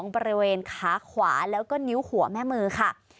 บริเวณขาขวาแล้วก็นิ้วหัวแม่มือค่ะ